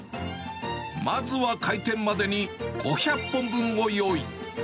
まずは開店までに５００本分を用意。